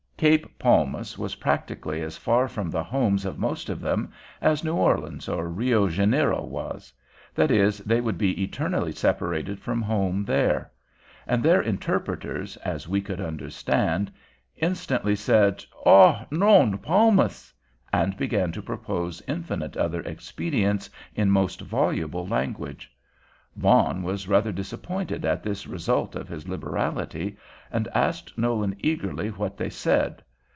Cape Palmas was practically as far from the homes of most of them as New Orleans or Rio Janeiro was; that is, they would be eternally separated from home there. And their interpreters, as we could understand, instantly said, "Ah, non Palmas," and began to propose infinite other expedients in most voluble language. Vaughan was rather disappointed at this result of his liberality, and asked Nolan eagerly what they said.